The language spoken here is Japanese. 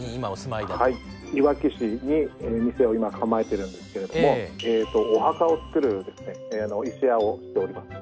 いわき市に店を今構えてるんですけれどもお墓を作る石屋をしております。